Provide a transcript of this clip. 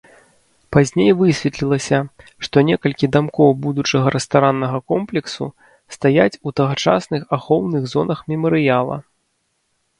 Пазней высветлілася, што некалькі дамкоў будучага рэстараннага комплексу стаяць у тагачасных ахоўных зонах мемарыяла.